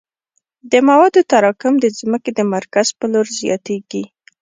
د موادو تراکم د ځمکې د مرکز په لور زیاتیږي